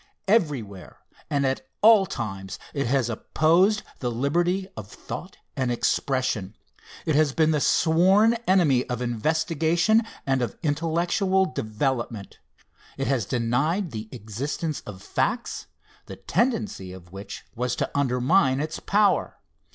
Everywhere and at all times, it has opposed the liberty of thought and expression. It has been the sworn enemy of investigation and of intellectual development. It has denied the existence of facts, the tendency of which was to undermine its power.